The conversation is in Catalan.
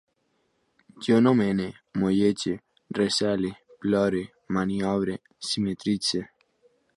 Jo nomene, mollege, recele, plore, maniobre, simetritze